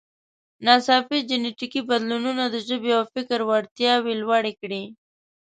ناڅاپي جینټیکي بدلونونو د ژبې او فکر وړتیاوې لوړې کړې.